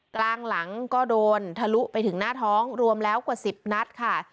กลางหลังก็โดนทะลุไปถึงหน้าท้องรวมแล้วกว่า๑๐นัดค่ะ